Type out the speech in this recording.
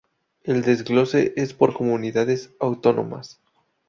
El desglose es por comunidades autónomas.